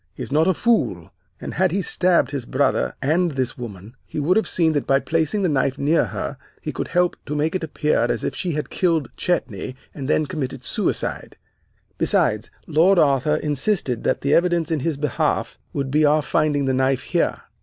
He is not a fool, and had he stabbed his brother and this woman, he would have seen that by placing the knife near her he could help to make it appear as if she had killed Chetney and then committed suicide. Besides, Lord Arthur insisted that the evidence in his behalf would be our finding the knife here.